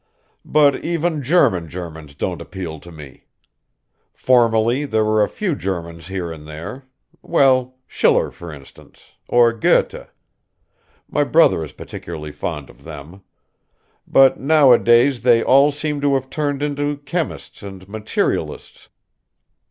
But even German Germans don't appeal to me. Formerly there were a few Germans here and there; well, Schiller for instance, or Goethe my brother is particularly fond of them but nowadays they all seem to have turned into chemists and materialists